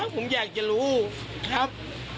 ผมอยากจะรู้ครับ